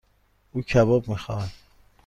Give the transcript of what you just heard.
او کباب میخواهد.